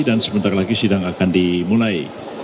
dan sebentar lagi sidang akan dimulai